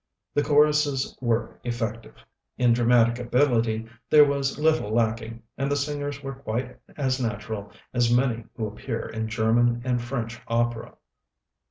The choruses were effective. In dramatic ability there was little lacking, and the singers were quite as natural as many who appear in German and French opera."